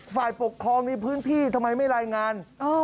ฝ่ายปกครองในพื้นที่ทำไมไม่รายงาน